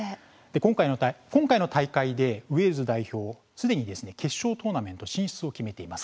今回の大会でウェールズ代表はすでに決勝トーナメント進出を決めています。